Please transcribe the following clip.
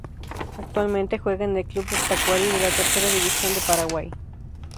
Actualmente juega en el Club Tacuary de la Tercera División de Paraguay.